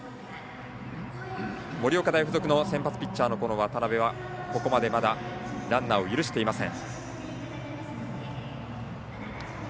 盛岡大付属の先発ピッチャーの渡邊はここまでまだランナーを許していません。